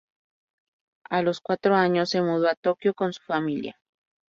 A los cuatro años, se mudó a Tokio con su familia.